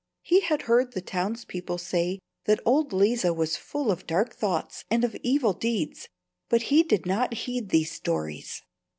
He had heard the townspeople say that old Leeza was full of dark thoughts and of evil deeds, but he did not heed these stories.